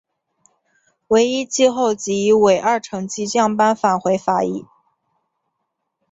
惟一季后即以尾二成绩降班返回法乙。